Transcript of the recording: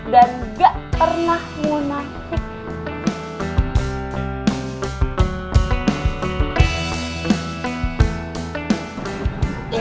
dan gak pernah mau naik